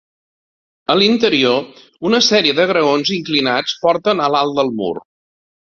A l'interior, una sèrie de graons inclinats porten a l'alt del mur.